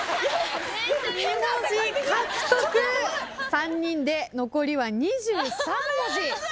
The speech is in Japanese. ３人で残りは２３文字。